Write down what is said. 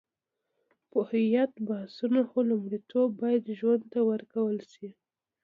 په هویت بحثونه، خو لومړیتوب باید ژوند ته ورکړل شي.